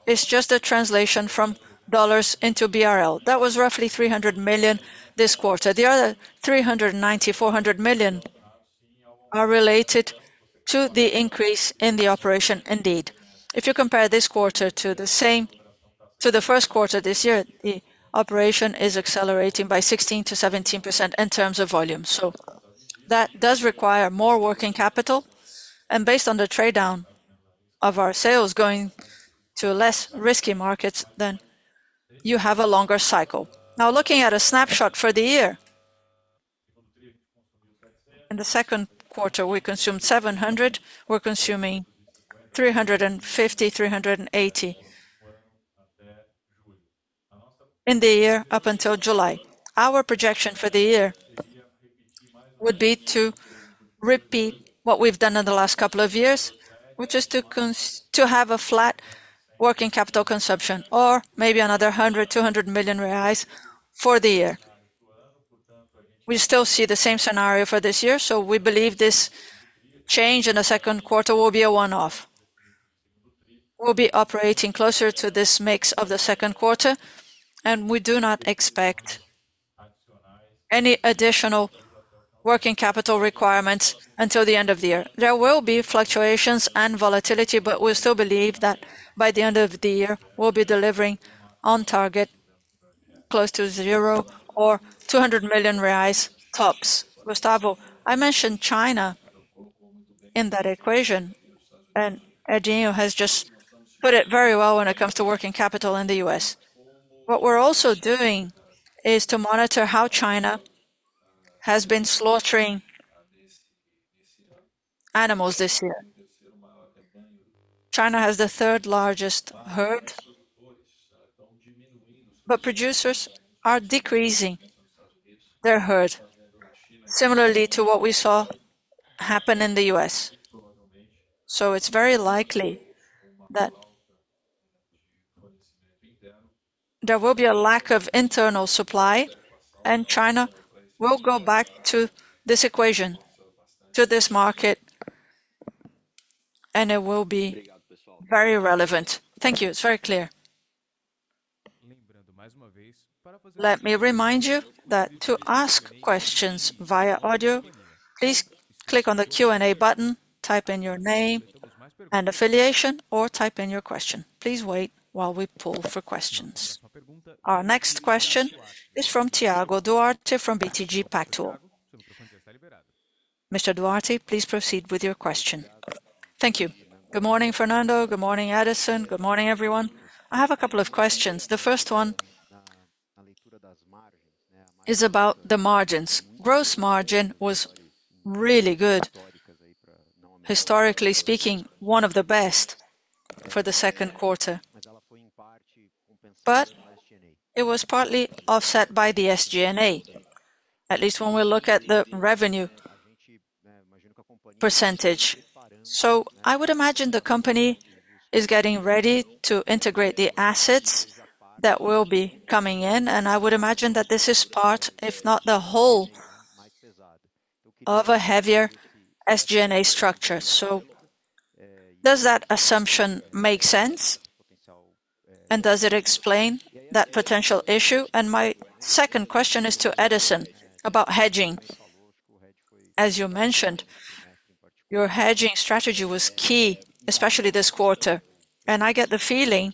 It's just a translation from dollars into BRL. That was roughly 300 million this quarter. The other 390 million-400 million are related to the increase in the operation, indeed. If you compare this quarter to the same to the first quarter this year, the operation is accelerating by 16%-17% in terms of volume. So that does require more working capital, and based on the trade-down of our sales going to less risky markets, then you have a longer cycle. Now, looking at a snapshot for the year, in the second quarter, we consumed 700 million. We're consuming 350 million, 380 million in the year, up until July. Our projection for the year... would be to repeat what we've done in the last couple of years, which is to have a flat working capital consumption, or maybe another 100 million, 200 million reais for the year. We still see the same scenario for this year, so we believe this change in the second quarter will be a one-off. We'll be operating closer to this mix of the second quarter, and we do not expect any additional working capital requirements until the end of the year. There will be fluctuations and volatility, but we still believe that by the end of the year, we'll be delivering on target close to zero or 200 million reais, tops. Gustavo, I mentioned China in that equation, and Edinho has just put it very well when it comes to working capital in the U.S. What we're also doing is to monitor how China has been slaughtering animals this year. China has the third-largest herd, but producers are decreasing their herd, similarly to what we saw happen in the U.S. So it's very likely that there will be a lack of internal supply, and China will go back to this equation, to this market, and it will be very relevant. Thank you. It's very clear. Let me remind you that to ask questions via audio, please click on the Q&A button, type in your name and affiliation or type in your question. Please wait while we pull for questions. Our next question is from Thiago Duarte from BTG Pactual. Mr. Duarte, please proceed with your question. Thank you. Good morning, Fernando. Good morning, Edison. Good morning, everyone. I have a couple of questions. The first one is about the margins. Gross margin was really good. Historically speaking, one of the best for the second quarter, but it was partly offset by the SG&A, at least when we look at the revenue percentage. So I would imagine the company is getting ready to integrate the assets that will be coming in, and I would imagine that this is part, if not the whole, of a heavier SG&A structure. So does that assumption make sense, and does it explain that potential issue? And my second question is to Edison about hedging. As you mentioned, your hedging strategy was key, especially this quarter. And I get the feeling,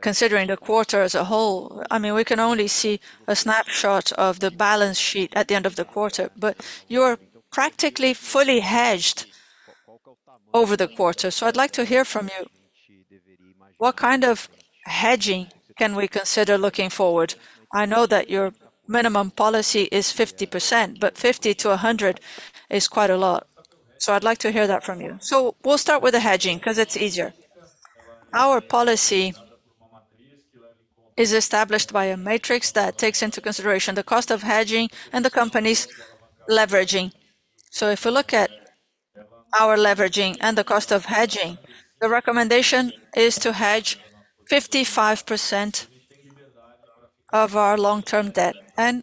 considering the quarter as a whole... I mean, we can only see a snapshot of the balance sheet at the end of the quarter, but you're practically fully hedged over the quarter. So I'd like to hear from you, what kind of hedging can we consider looking forward? I know that your minimum policy is 50%, but 50%-100% is quite a lot. So I'd like to hear that from you. So we'll start with the hedging 'cause it's easier. Our policy is established by a matrix that takes into consideration the cost of hedging and the company's leveraging. So if you look at our leveraging and the cost of hedging, the recommendation is to hedge 55% of our long-term debt and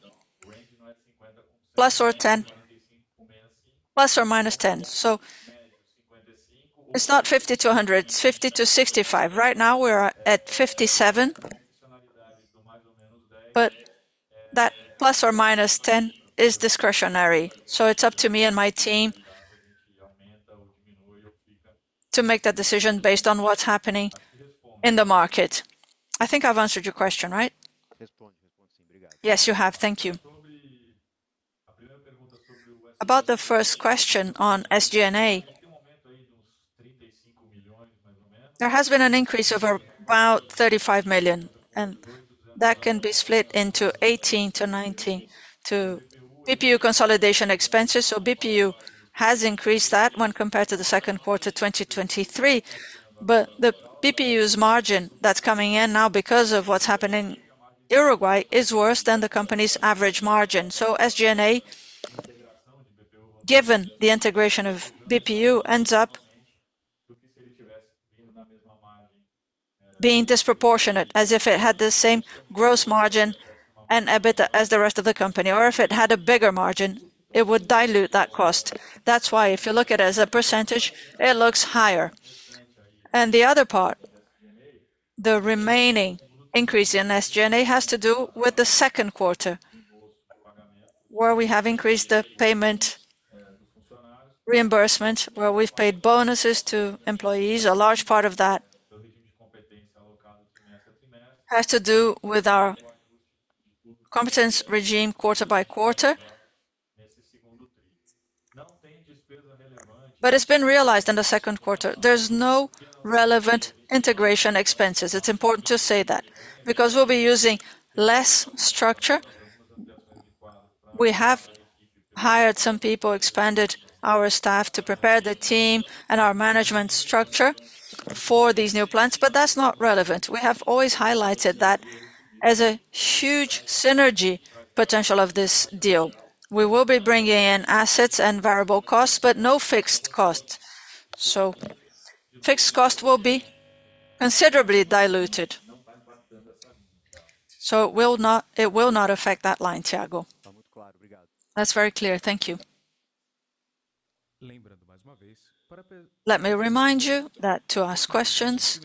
plus or minus 10. So it's not 50% to 100%, it's 50% to 65%. Right now, we're at 57%, but that plus or minus 10 is discretionary. So it's up to me and my team to make that decision based on what's happening in the market. I think I've answered your question, right? Yes, you have. Thank you. About the first question on SG&A, there has been an increase of about 35 million, and that can be split into 18 to 19 to BPU consolidation expenses. So BPU has increased that when compared to the second quarter 2023. But the BPU's margin that's coming in now because of what's happening in Uruguay, is worse than the company's average margin. So SG&A, given the integration of BPU, ends up being disproportionate, as if it had the same gross margin and EBITDA as the rest of the company, or if it had a bigger margin, it would dilute that cost. That's why if you look at it as a percentage, it looks higher. And the other part, the remaining increase in SG&A, has to do with the second quarter, where we have increased the payment reimbursement, where we've paid bonuses to employees. A large part of that has to do with our compensation regime, quarter by quarter. But it's been realized in the second quarter. There's no relevant integration expenses. It's important to say that, because we'll be using less structure. We have hired some people, expanded our staff to prepare the team and our management structure for these new plants, but that's not relevant. We have always highlighted that... as a huge synergy potential of this deal. We will be bringing in assets and variable costs, but no fixed costs. So fixed cost will be considerably diluted. So it will not, it will not affect that line, Thiago. That's very clear. Thank you. Let me remind you that to ask questions,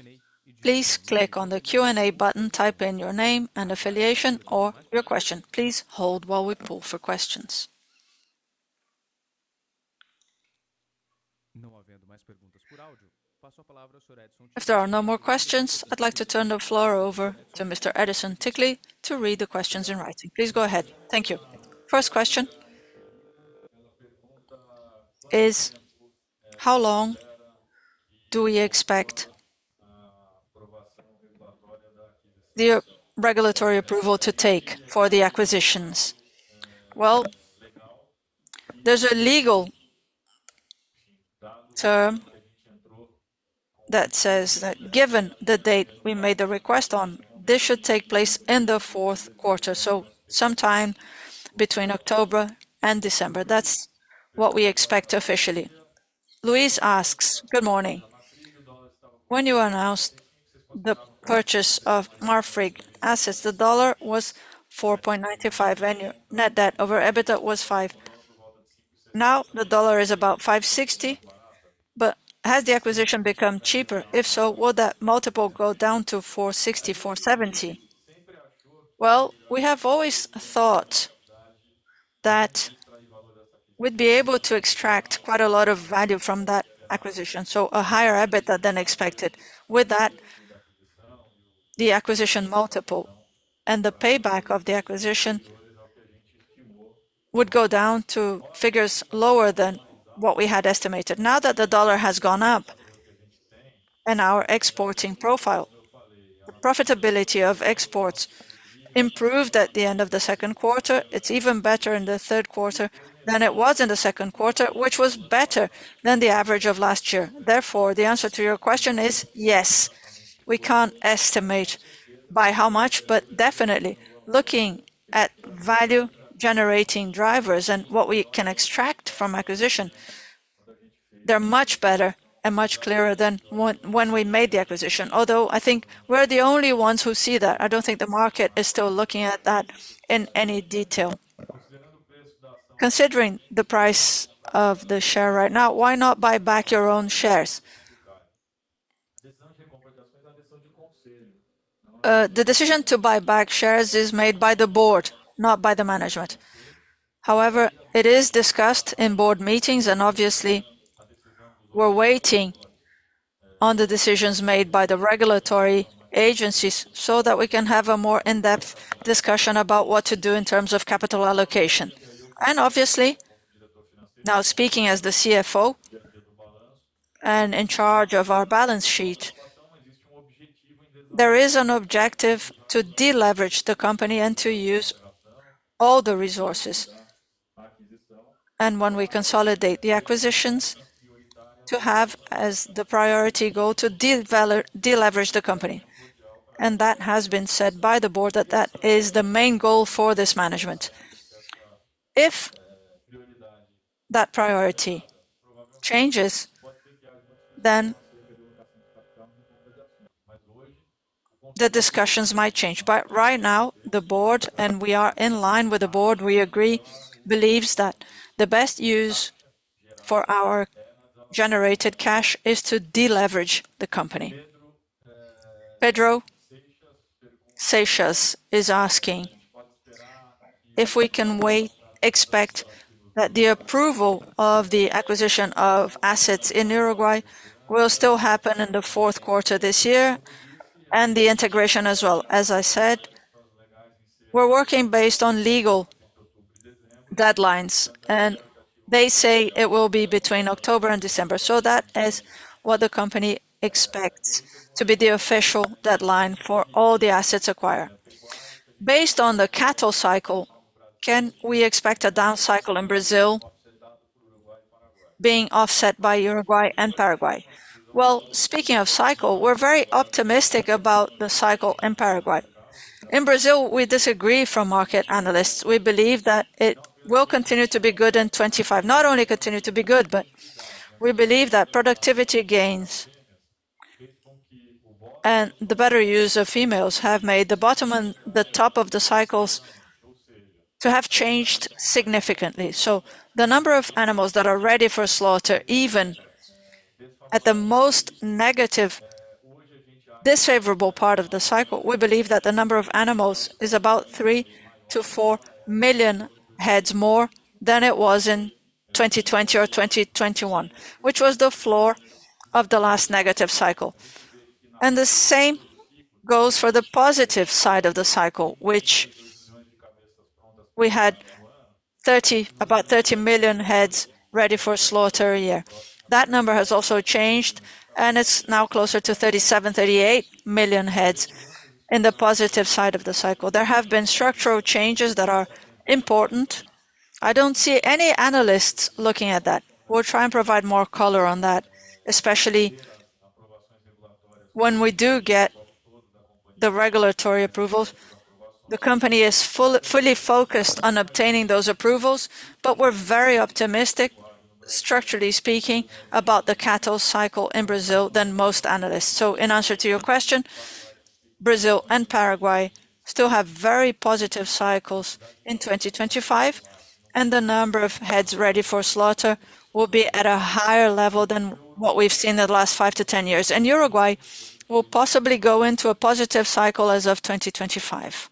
please click on the Q&A button, type in your name and affiliation or your question. Please hold while we poll for questions. If there are no more questions, I'd like to turn the floor over to Mr. Edison Ticle, to read the questions in writing. Please go ahead. Thank you. First question is, how long do we expect the regulatory approval to take for the acquisitions? Well, there's a legal term that says that given the date we made the request on, this should take place in the fourth quarter, so sometime between October and December. That's what we expect officially. Luis asks: Good morning. When you announced the purchase of Marfrig assets, the dollar was 4.95, and your net debt over EBITDA was 5x. Now, the dollar is about 5.60, but has the acquisition become cheaper? If so, will that multiple go down to 4.60x, 4.70x? Well, we have always thought that we'd be able to extract quite a lot of value from that acquisition, so a higher EBITDA than expected. With that, the acquisition multiple and the payback of the acquisition would go down to figures lower than what we had estimated. Now that the dollar has gone up and our exporting profile, the profitability of exports improved at the end of the second quarter. It's even better in the third quarter than it was in the second quarter, which was better than the average of last year. Therefore, the answer to your question is, yes. We can't estimate by how much, but definitely, looking at value-generating drivers and what we can extract from acquisition, they're much better and much clearer than when we made the acquisition. Although, I think we're the only ones who see that. I don't think the market is still looking at that in any detail. Considering the price of the share right now, why not buy back your own shares? The decision to buy back shares is made by the board, not by the management. However, it is discussed in board meetings, and obviously, we're waiting on the decisions made by the regulatory agencies so that we can have a more in-depth discussion about what to do in terms of capital allocation. And obviously, now speaking as the CFO and in charge of our balance sheet, there is an objective to deleverage the company and to use all the resources. And when we consolidate the acquisitions, to have as the priority goal, to deleverage the company. And that has been said by the board that that is the main goal for this management. If that priority changes, then the discussions might change. But right now, the board, and we are in line with the board, we agree, believes that the best use for our generated cash is to deleverage the company. Pedro Seixas is asking if we can expect that the approval of the acquisition of assets in Uruguay will still happen in the fourth quarter this year, and the integration as well? As I said, we're working based on legal deadlines, and they say it will be between October and December. So that is what the company expects to be the official deadline for all the assets acquired. Based on the cattle cycle, can we expect a down cycle in Brazil being offset by Uruguay and Paraguay? Well, speaking of cycle, we're very optimistic about the cycle in Paraguay. In Brazil, we disagree from market analysts. We believe that it will continue to be good in 2025. Not only continue to be good, but we believe that productivity gains and the better use of females have made the bottom and the top of the cycles to have changed significantly. The number of animals that are ready for slaughter, even at the most negative, unfavorable part of the cycle, we believe that the number of animals is about 3-4 million heads more than it was in 2020 or 2021, which was the floor of the last negative cycle. The same goes for the positive side of the cycle, which we had 30, about 30 million heads ready for slaughter a year. That number has also changed, and it's now closer to 37-38 million heads in the positive side of the cycle. There have been structural changes that are important.... I don't see any analysts looking at that. We'll try and provide more color on that, especially when we do get the regulatory approvals. The company is fully focused on obtaining those approvals, but we're very optimistic, structurally speaking, about the cattle cycle in Brazil than most analysts. So in answer to your question, Brazil and Paraguay still have very positive cycles in 2025, and the number of heads ready for slaughter will be at a higher level than what we've seen in the last 5 to 10 years. And Uruguay will possibly go into a positive cycle as of 2025.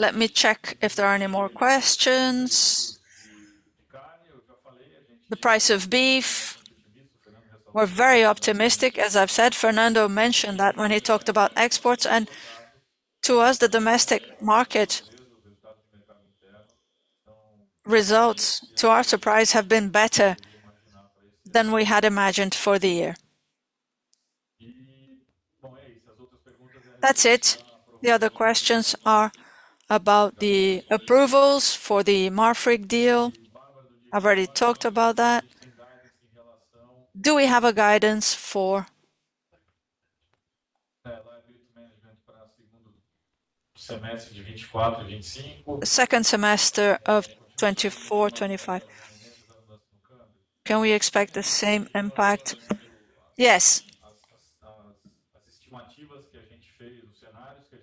Let me check if there are any more questions. The price of beef, we're very optimistic. As I've said, Fernando mentioned that when he talked about exports, and to us, the domestic market results, to our surprise, have been better than we had imagined for the year. That's it. The other questions are about the approvals for the Marfrig deal. I've already talked about that. Do we have a guidance for second semester of 2024, 2025? Can we expect the same impact? Yes.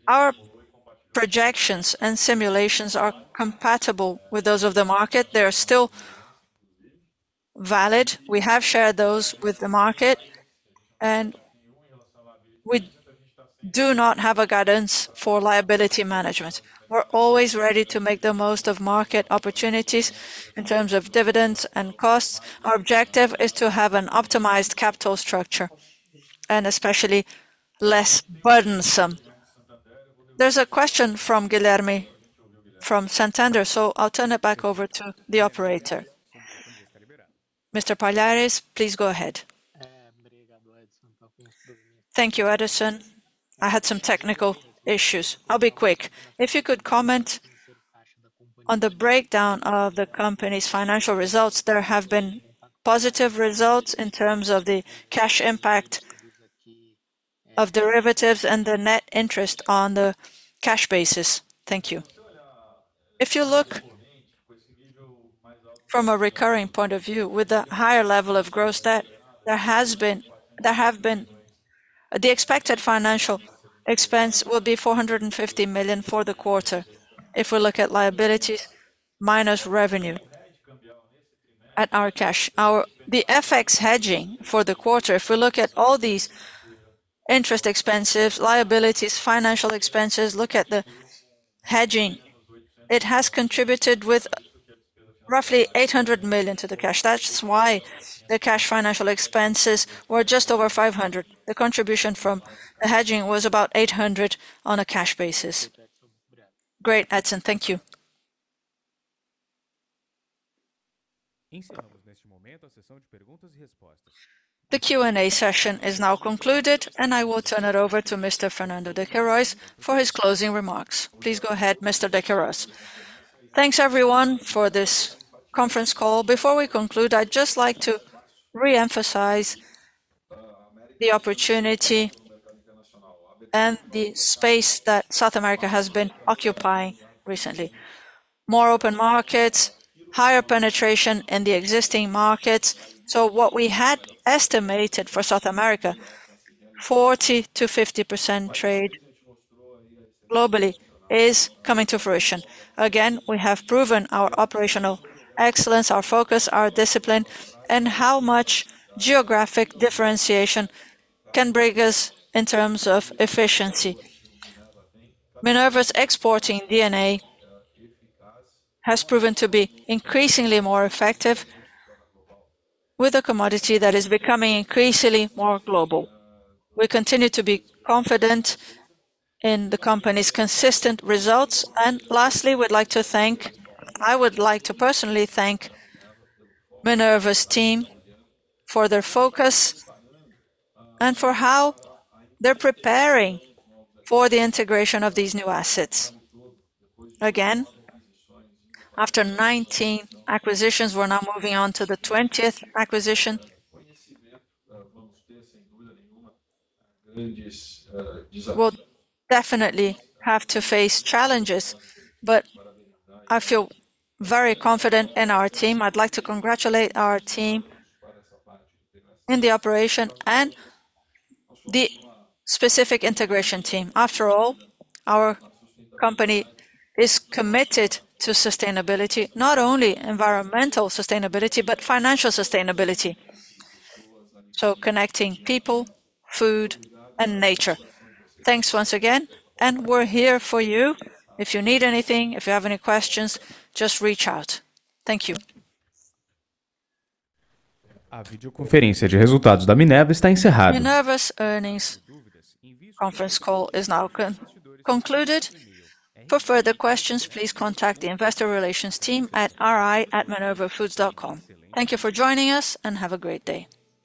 Our projections and simulations are compatible with those of the market. They're still valid. We have shared those with the market, and we do not have a guidance for liability management. We're always ready to make the most of market opportunities in terms of dividends and costs. Our objective is to have an optimized capital structure and especially less burdensome. There's a question from Guilherme, from Santander, so I'll turn it back over to the operator. Mr. Palhares, please go ahead. Thank you, Edison. I had some technical issues. I'll be quick. If you could comment on the breakdown of the company's financial results, there have been positive results in terms of the cash impact of derivatives and the net interest on the cash basis. Thank you. If you look from a recurring point of view, with the higher level of gross debt, there have been... The expected financial expense will be 450 million for the quarter. If we look at liabilities minus revenue at our cash, our-- The FX hedging for the quarter, if we look at all these interest expenses, liabilities, financial expenses, look at the hedging, it has contributed with roughly 800 million to the cash. That's why the cash financial expenses were just over 500. The contribution from the hedging was about 800 on a cash basis. Great, Edison. Thank you. The Q&A session is now concluded, and I will turn it over to Mr. Fernando de Queiroz for his closing remarks. Please go ahead, Mr. de Queiroz. Thanks, everyone, for this conference call. Before we conclude, I'd just like to reemphasize the opportunity and the space that South America has been occupying recently. More open markets, higher penetration in the existing markets. So what we had estimated for South America, 40%-50% trade globally, is coming to fruition. Again, we have proven our operational excellence, our focus, our discipline, and how much geographic differentiation can bring us in terms of efficiency. Minerva's exporting DNA has proven to be increasingly more effective with a commodity that is becoming increasingly more global. We continue to be confident in the company's consistent results. And lastly, we'd like to thank. I would like to personally thank Minerva's team for their focus and for how they're preparing for the integration of these new assets. Again, after 19 acquisitions, we're now moving on to the 20th acquisition. We'll definitely have to face challenges, but I feel very confident in our team. I'd like to congratulate our team in the operation and the specific integration team. After all, our company is committed to sustainability, not only environmental sustainability, but financial sustainability, so connecting people, food, and nature. Thanks once again, and we're here for you. If you need anything, if you have any questions, just reach out. Thank you. Minerva's earnings conference call is now concluded. For further questions, please contact the investor relations team at ri@minervafoods.com. Thank you for joining us, and have a great day.